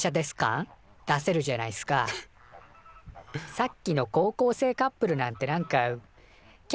さっきの高校生カップルなんてなんか「きゃ